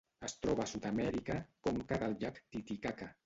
Es troba a Sud-amèrica: conca del llac Titicaca.